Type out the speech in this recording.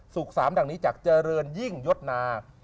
สามดังนี้จากเจริญยิ่งยศนา